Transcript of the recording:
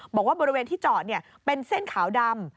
บอกว่าบริเวณที่จอดเป็นเส้นขาวดำ